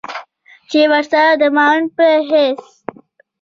چې ورسره د معاون په حېث